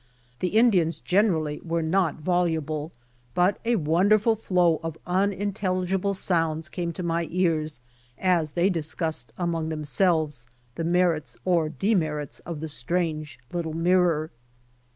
The Indians generally were not voluble, but a wonderful flow of unintelligible sounds came to my ears as they discussed among themselves the merits or demerits of the strange little mirror.